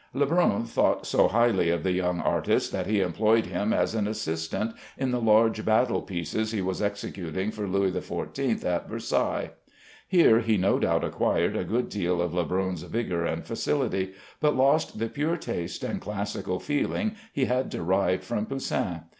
Lebrun thought so highly of the young artist that he employed him as an assistant in the large battle pieces he was executing for Louis XIV at Versailles. Here he no doubt acquired a good deal of Lebrun's vigor and facility, but lost the pure taste and classical feeling he had derived from Poussin.